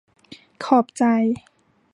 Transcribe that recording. ขอบใจ